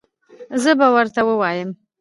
زه به ورته ووایم